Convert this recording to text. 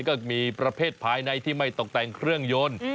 ก็มีประเภทภายในที่ไม่ตกแต่งเครื่องยนต์